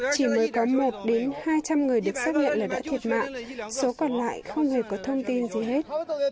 chỉ mới có một hai trăm linh người được xác nhận là đã thiệt mạng số còn lại không hề có thông tin gì hết